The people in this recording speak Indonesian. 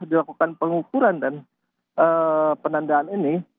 dilakukan pengukuran dan penandaan ini